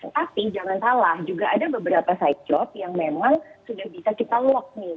tapi jangan salah juga ada beberapa side job yang memang sudah bisa kita lock nih